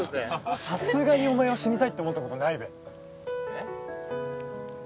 さすがにお前は死にたいって思ったことないべ？